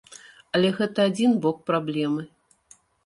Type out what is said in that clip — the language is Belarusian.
Але гэта адзін бок праблемы.